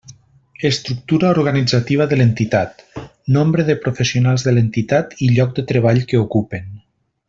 Estructura organitzativa de l'entitat: nombre de professionals de l'entitat i lloc de treball que ocupen.